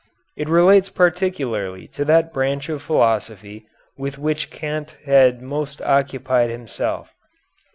It relates particularly to that branch of philosophy with which Kant had most occupied himself.